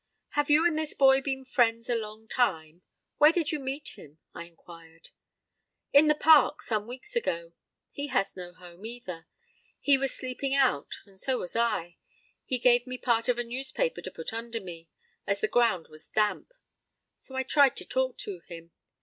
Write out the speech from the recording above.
"Have you and this boy been friends a long time? Where did you meet him?" I inquired. "In the park, some weeks ago. He has no home either. He was sleeping out and so was I. He gave me part of a newspaper to put under me, as the ground was damp. So I tried to talk to him....